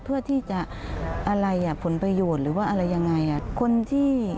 เพื่อที่จะอะไรอ่ะผลประโยชน์หรือว่าอะไรยังไง